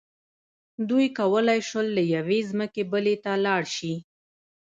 دوی کولی شول له یوې ځمکې بلې ته لاړ شي.